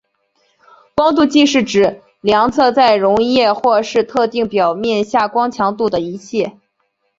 光度计是指量测在溶液或是特定表面下光强度的仪器。